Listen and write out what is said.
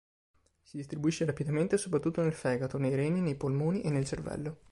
Si distribuisce rapidamente soprattutto nel fegato, nei reni, nei polmoni e nel cervello.